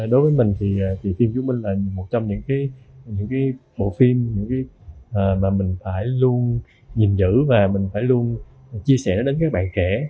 đối với mình thì phim chứng minh là một trong những bộ phim mà mình phải luôn nhìn giữ và mình phải luôn chia sẻ đến các bạn kẻ